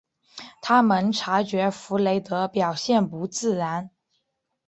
他们察觉弗雷德表现不自然。